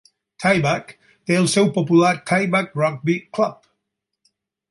Taibach té el seu popular Taibach Rugby Club.